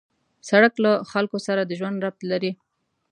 سړک له خلکو سره د ژوند ربط لري.